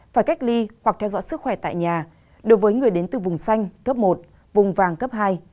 phải cách ly hoặc theo dõi sức khỏe tại nhà đối với người đến từ vùng xanh cấp một vùng vàng cấp hai